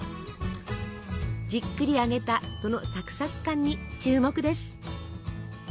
じっくり揚げたそのサクサク感に注目です。